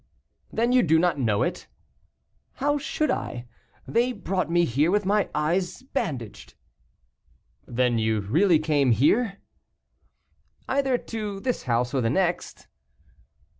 "Then you do not know it?" "How should I? They brought me here with my eyes bandaged." "Then you really came here?" "Either to this house or the next."